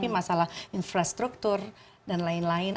masalah infrastruktur dan lain lain